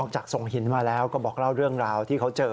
จากส่งหินมาแล้วก็บอกเล่าเรื่องราวที่เขาเจอ